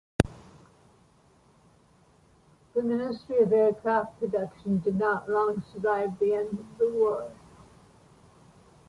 The Ministry of Aircraft Production did not long survive the end of the war.